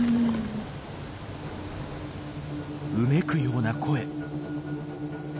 うめくような声。